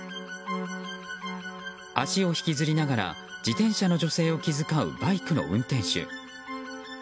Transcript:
足を引きずりながら自転車の女性を気遣うバイクの運転手。